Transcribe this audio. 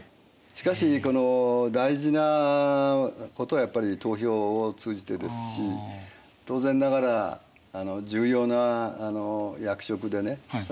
しかし大事なことはやっぱり投票を通じてですし当然ながら重要な役職でね